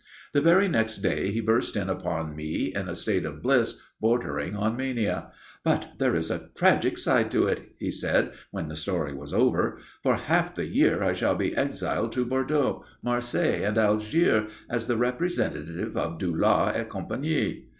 The very next day he burst in upon me in a state of bliss bordering on mania. "But there is a tragic side to it," he said when the story was over. "For half the year I shall be exiled to Bordeaux, Marseilles and Algiers as the representative of Dulau et Compagnie."